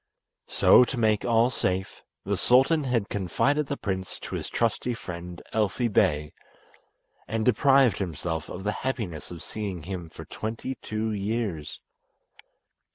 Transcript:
So, to make all safe, the sultan had confided the prince to his trusty friend Elfi Bey, and deprived himself of the happiness of seeing him for twenty two years.